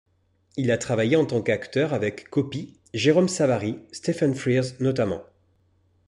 Il a travaillé en tant qu'acteur avec Copi, Jérôme Savary, Stephen Frears notamment.